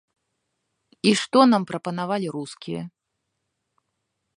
І што нам прапанавалі рускія?